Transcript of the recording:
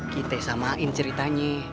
kita samain ceritanya